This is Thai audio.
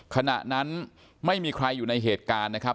ขณะนั้นไม่มีใครอยู่ในเหตุการณ์นะครับ